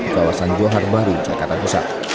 di kawasan johar baru jakarta pusat